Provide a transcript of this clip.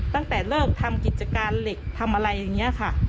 ตั้งแต่เลิกทำกิจการเหล็กทำอะไรอย่างนี้ค่ะ